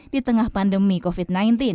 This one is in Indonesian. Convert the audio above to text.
di tengah pandemi covid sembilan belas